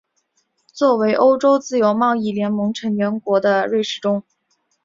作为欧洲自由贸易联盟成员国的瑞士中。